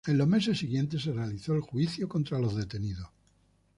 En los meses siguientes se realizó el juicio contra los detenidos.